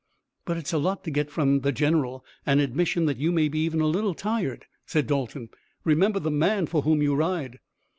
"But it's a lot to get from the general an admission that you may be even a little tired," said Dalton. "Remember the man for whom you ride."